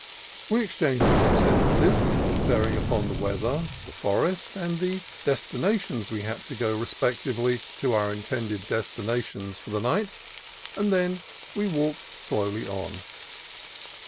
We exchanged a few sentences bearing upon the weather, the forest, and the distances we had to go respectively to our intended destinations for the night, and then they walked slowly on.